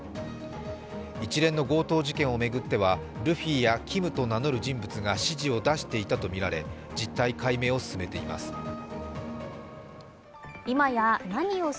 一連の強盗事件を巡っては、ルフィやキムと名乗る人物が指示を出していたとみられ実態解明を進めています。